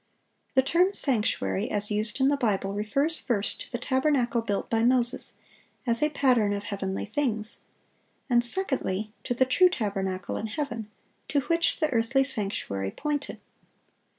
The term "sanctuary," as used in the Bible, refers, first, to the tabernacle built by Moses, as a pattern of heavenly things; and, secondly, to the "true tabernacle" in heaven, to which the earthly sanctuary pointed.